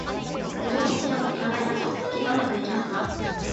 自分に自信を持って、頑張りましょう！きっと、上手くいきますわ